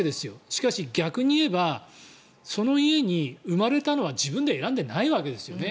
しかし、逆に言えばその家に生まれたのは自分で選んでいないわけですよね。